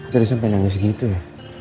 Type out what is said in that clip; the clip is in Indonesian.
tadi sampe nyangis gitu ya